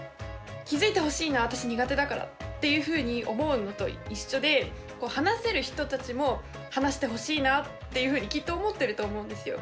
気付いてほしいの私苦手だからっていうふうに思うのと一緒で話せる人たちも話してほしいなっていうふうにきっと思ってると思うんですよ。